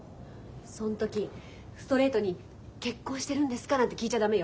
そん時ストレートに「結婚してるんですか？」なんて聞いちゃ駄目よ。